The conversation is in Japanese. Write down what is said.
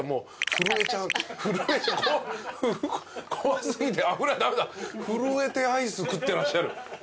震えてアイス食ってらっしゃる。